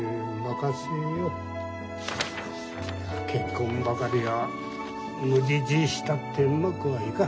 結婚ばかりは無理強いしたってうまくはいかん。